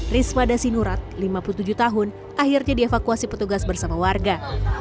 risma dasinurat lima puluh tujuh tahun akhirnya dievakuasi petugas bersama warga